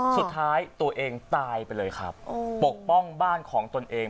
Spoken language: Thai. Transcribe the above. สุดท้ายตัวเองตายไปเลยครับปกป้องบ้านของตนเอง